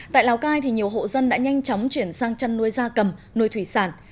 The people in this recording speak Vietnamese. tại lào cai nhiều hộ dân đã nhanh chóng chuyển sang chăn nuôi da cầm nuôi thủy sản